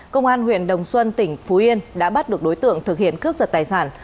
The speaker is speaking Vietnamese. công an huyện đồng xuân tỉnh phú yên đã bắt được đối tượng thực hiện cướp giật tài sản